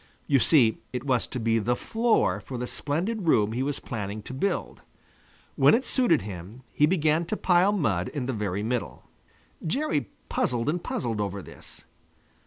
You see, it was to be the floor for the splendid room he was planning to build. When it suited him, he began to pile mud in the very middle. Jerry puzzled and puzzled over this.